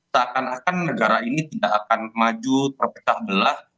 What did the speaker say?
takkan akan negara ini tidak akan maju terpecah belah